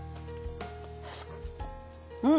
うん！